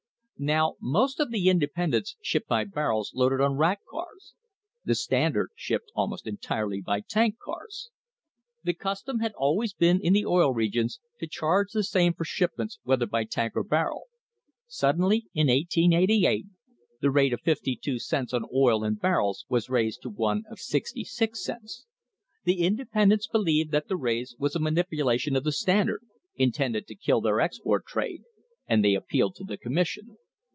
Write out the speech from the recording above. Now, most of the independents shipped by barrels loaded on rack cars. The Standard shipped almost entirely by tank cars. The custom had always been in the Oil Regions to charge the same for shipments whether by tank or barrel. Suddenly, in 1888, the rate of fifty two cents on oil in barrels was raised to one of sixty six cents. The independents believed that the raise was a manipulation of the Standard intended to kill their export trade, and they appealed to the Commission.